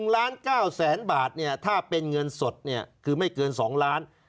๑ล้านเก้าแสนบาทถ้าเป็นเงินสดคือไม่เกิน๒ล้าน